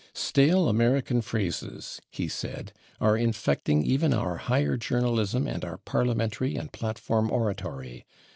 "Stale American phrases, ..." [Pg134] he said, "are infecting even our higher journalism and our parliamentary and platform oratory....